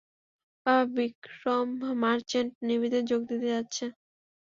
বাবা, বিক্রম মার্চেন্ট নেভিতে যোগ দিতে যাচ্ছে।